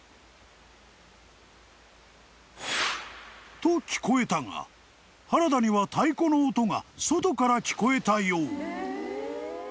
［と聞こえたが原田には太鼓の音が外から聞こえたよう］